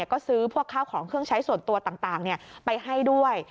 ก็ซื้อพวกข้าวของเครื่องใช้ส่วนตัวต่างไปให้ด้วย